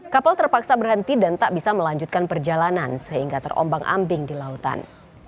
kapal terpaksa berhenti dan tak bisa melanjutkan perjalanan sehingga terombang ambing di lautan